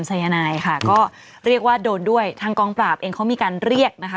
สายนายค่ะก็เรียกว่าโดนด้วยทางกองปราบเองเขามีการเรียกนะคะ